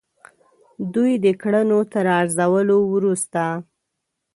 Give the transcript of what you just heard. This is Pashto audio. دوی د کړنو تر ارزولو وروسته.